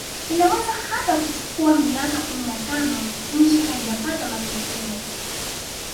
Inaweza hata kuchukua miaka kumi na tano nchi haijapata matokeo